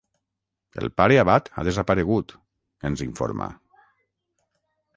El pare abat ha desaparegut —ens informa—.